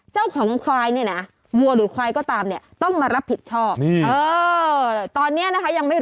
โจมวอค่ะ